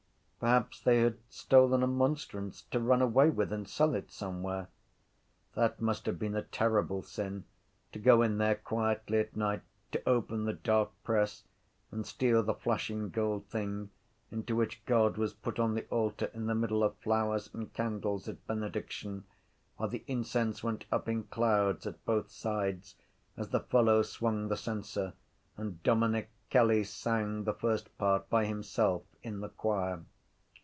Perhaps they had stolen a monstrance to run away with and sell it somewhere. That must have been a terrible sin, to go in there quietly at night, to open the dark press and steal the flashing gold thing into which God was put on the altar in the middle of flowers and candles at benediction while the incense went up in clouds at both sides as the fellow swung the censer and Dominic Kelly sang the first part by himself in the choir.